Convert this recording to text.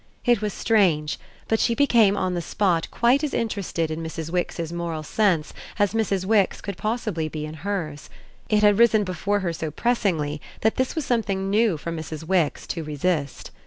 It was strange, but she became on the spot quite as interested in Mrs. Wix's moral sense as Mrs. Wix could possibly be in hers: it had risen before her so pressingly that this was something new for Mrs. Wix to resist.